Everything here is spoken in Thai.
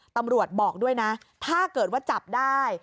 บอกด้วยนะถ้าเกิดว่าจับได้